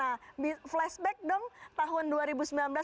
atas aktivitas yang laure working out lima ratus lima puluh saat ya